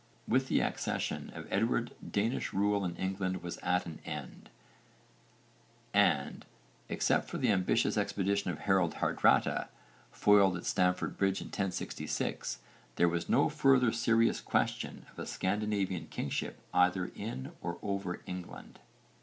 With the accession of Edward Danish rule in England was at an end and, except for the ambitious expedition of Harold Hardrada, foiled at Stamford Bridge in 1066, there was no further serious question of a Scandinavian kingship either in or over England.